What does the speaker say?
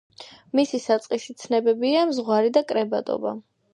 მისი საწყისი ცნებებია ზღვარი და კრებადობა.